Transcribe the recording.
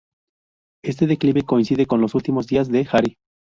Este declive coincide con los últimos días de Hari.